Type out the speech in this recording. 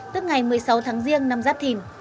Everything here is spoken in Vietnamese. tức ngày một mươi sáu tháng riêng năm giáp thìn